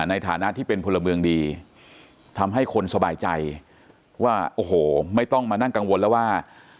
ในฐานะที่เป็นพลเมืองดีทำให้คนสบายใจว่าโอ้โหไม่ต้องมานั่งกังวลแล้วว่า